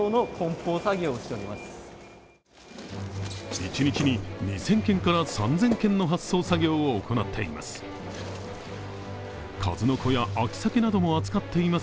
一日に２０００件から３０００件の発送作業を行っています。